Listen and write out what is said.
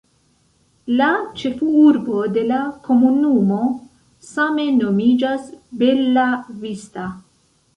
La ĉefurbo de la komunumo same nomiĝas Bella Vista.